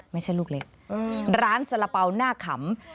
ไม่ใช่ลูกเล็กร้านสละเป๋าหน้าขำ